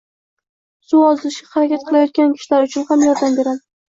Suv ozishga harakat qilayotgan kishilar uchun ham yordam beradi.